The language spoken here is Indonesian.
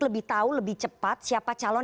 lebih tahu lebih cepat siapa calon